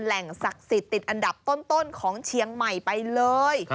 แหล่งศักดิ์สิทธิ์ติดอันดับต้นของเชียงใหม่ไปเลย